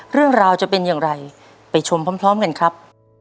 เรื่องราวจะเป็นอย่างไรไปชมพร้อมกันครับ